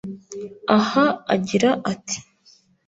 Aha agira ati